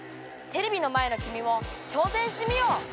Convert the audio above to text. テレビの前のきみも挑戦してみよう！